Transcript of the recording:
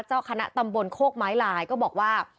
เจ้าคณะตำบลโคกไม้ลายก็บอกว่า